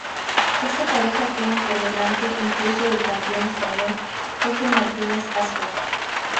Esta pareja quedan por delante incluso del campeón español Jorge Martínez Aspar.